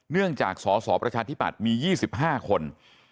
เนื่องจากสสประชาธิบัติมี๒๕คน